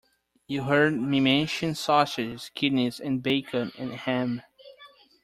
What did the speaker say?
You heard me mention sausages, kidneys and bacon and ham.